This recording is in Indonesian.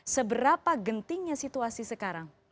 seberapa gentingnya situasi sekarang